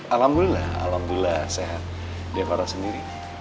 alhamdulillah alhamdulillah sehat dia parah sendiri